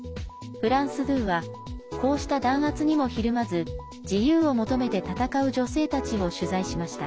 フランス２はこうした弾圧にもひるまず自由を求めて闘う女性たちを取材しました。